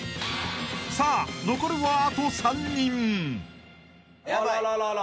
［さあ残るはあと３人］